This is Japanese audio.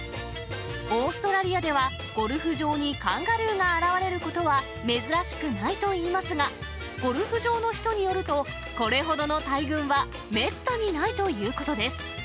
オーストラリアではゴルフ場にカンガルーが現れることは珍しくないといいますが、ゴルフ場の人によると、これほどの大群はめったにないということです。